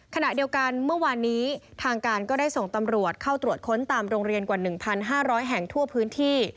ขณะเดียวกันเมื่อวานนี้ทางการก็ได้ส่งตำรวจเข้าตรวจค้นตามโรงเรียนกว่า๑๕๐๐แห่งทั่วพื้นที่